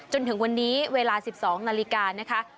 จนถึงวันนี้เวลา๑๒นาฬิกานะคะ